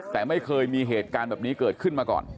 แต่ไม่เคยมีเหตุการณ์แบบนี้เกิดขึ้นมาก่อน